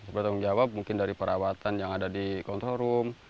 bertanggung jawab mungkin dari perawatan yang ada di control room